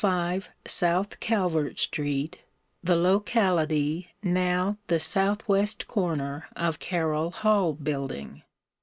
5 South Calvert street, the locality now the southwest corner of Carroll Hall building.